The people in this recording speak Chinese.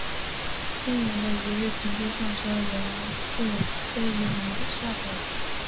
近年的一日平均上车人次推移如下表。